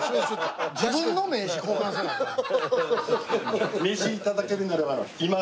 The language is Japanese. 自分の名刺交換せなアカン。